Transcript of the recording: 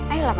eh ibu robin